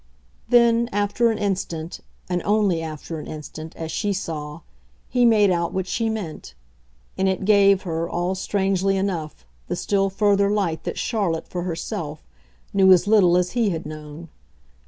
Then, after an instant and only after an instant, as she saw he made out what she meant; and it gave her, all strangely enough, the still further light that Charlotte, for herself, knew as little as he had known.